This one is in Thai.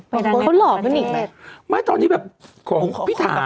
เป็นคนหล่อพี่นิกไหมไม่ตอนนี้แบบของพี่ถ่า